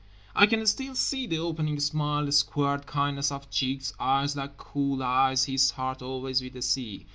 I can still see the opening smile, squared kindness of cheeks, eyes like cool keys—his heart always with the Sea.